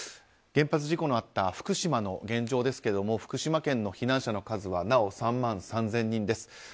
原発事故のあった福島の現状ですが福島県の避難者の数はなお３万３０００人です。